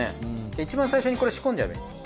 いちばん最初にこれ仕込んじゃえばいいんですよ。